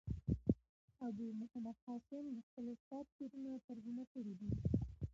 ابو محمد هاشم دخپل استاد شعرونه ترجمه کړي دي.